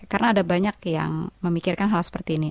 karena ada banyak yang memikirkan hal seperti ini